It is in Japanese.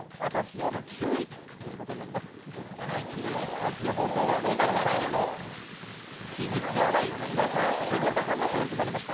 先ほどは後藤さんへの「真実ではない噂」で、森田さんが勝利となりました。